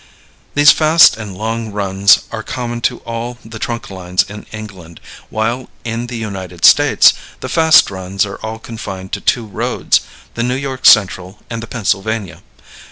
These fast and long runs are common to all the trunk lines in England, while in the United States the fast runs are all confined to two roads, the New York Central and the Pennsylvania.